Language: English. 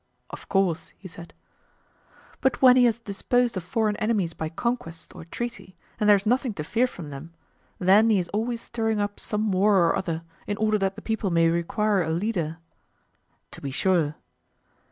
Of course, he said. But when he has disposed of foreign enemies by conquest or treaty, and there is nothing to fear from them, then he is always stirring up some war or other, in order that the people may require a leader. To be sure.